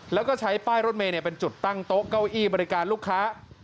แล้วก็ใช้ป้ายรถเมย์เป็นจุดตั้งโต๊ะเก้าอี้บริการลูกค้า